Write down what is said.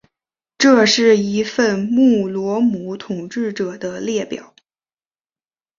这是一份穆罗姆统治者的列表。